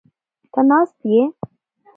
ته ناست یې؟